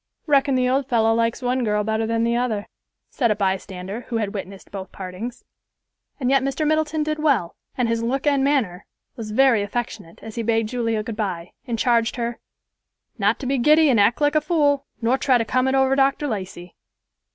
"Reckon the old fellow likes one girl better than the other," said a bystander, who had witnessed both partings. And yet Mr. Middleton did well, and his look and manner was very affectionate as he bade Julia good bye, and charged her "not to be giddy and act like a fool, nor try to come it over Dr. Lacey."